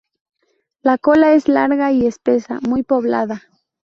La cola es larga y espesa, muy poblada.